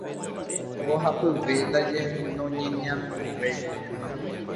Mbohapyve ndaje noñeñanduvéi.